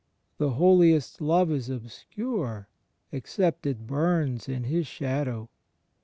The holiest love is obscure except it bums in His shadow.